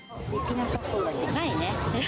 ないね。